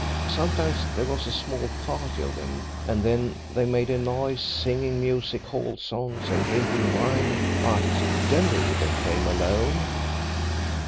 Sometimes there was a small party of them, and then they made a noise singing music hall songs and drinking wine, but generally they came alone.